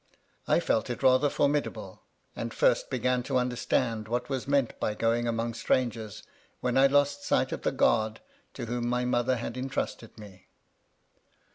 1 felt it rather formidable; and first began to understand what was meant by going among strangers, when I lost sight of the guard to whom my mother had intrusted me.